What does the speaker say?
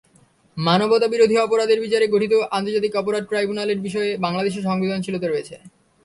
মানবতাবিরোধী অপরাধের বিচারে গঠিত আন্তর্জাতিক অপরাধ ট্রাইব্যুনালের বিষয়ে বাংলাদেশের সংবেদনশীলতা রয়েছে।